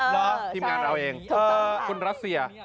รอทีมงานเราเองเออ